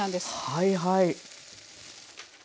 はいはい。